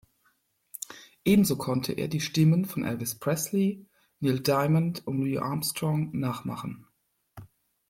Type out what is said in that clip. Ebenso konnte er die Stimmen von Elvis Presley, Neil Diamond und Louis Armstrong nachmachen.